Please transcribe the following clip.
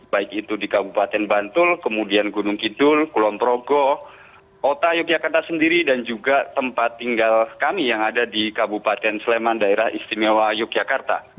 baik itu di kabupaten bantul kemudian gunung kidul kulon progo kota yogyakarta sendiri dan juga tempat tinggal kami yang ada di kabupaten sleman daerah istimewa yogyakarta